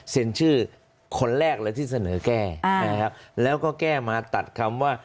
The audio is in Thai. เสียชื่อคนแรกเลยที่เสนอแก้แล้วก็แก้มาตัดคำว่า